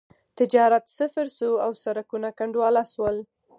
تجارت صفر شو او سړکونه کنډواله شول.